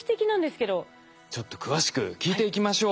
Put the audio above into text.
ちょっと詳しく聞いていきましょう。